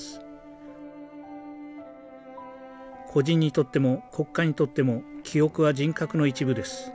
個人にとっても国家にとっても記憶は人格の一部です。